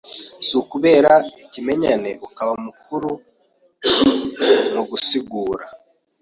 Si ukubera ikimenyane Ukaba mukuru mu gusigura